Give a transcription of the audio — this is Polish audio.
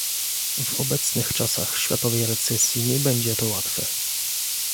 W obecnych czasach światowej recesji nie będzie to łatwe